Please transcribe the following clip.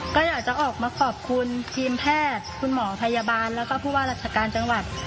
ก็อยากจะออกมาขอบคุณทีมแพทย์คุณหมอพยาบาลแล้วก็ผู้ว่าราชการจังหวัด